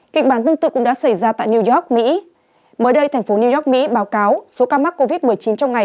các bạn tương tự cũng đã xem video này